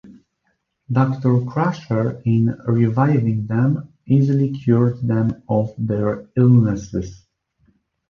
Doctor Crusher, in reviving them, easily cures them of their illnesses.